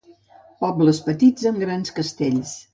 pobles petits amb grans castells